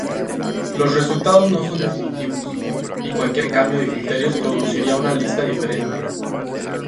Los resultados no son definitivos, y cualquier cambio de criterios produciría una lista diferente.